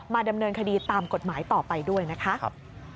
ดำเนินคดีตามกฎหมายต่อไปด้วยนะคะ